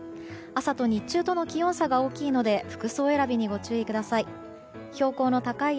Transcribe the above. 朝と日中との気温差が大きいので服装選びにご注意ください。